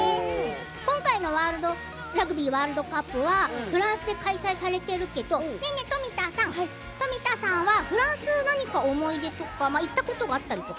今回のラグビーワールドカップはフランスで開催されているけどねえねえ富田さん富田さんはフランスに何か思い出とか行ったことあったりとか？